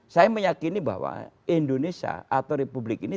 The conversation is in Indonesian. saya meyakini bahwa indonesia atau republik ini